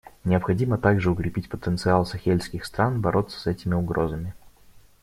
Необходимо также укрепить потенциал сахельских стран бороться с этими угрозами.